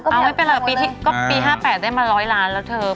เอาไว้เป็นแหละปี๕๘ได้มา๑๐๐ล้านแล้วเถอะ